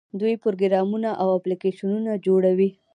دوی پروګرامونه او اپلیکیشنونه جوړوي.